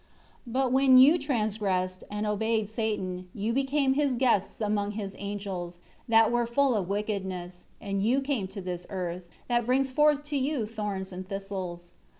4 But when you transgressed and obeyed Satan, you became his guests among his angels, that are full of wickedness; and you came to this earth, that brings forth to you thorns and thistles.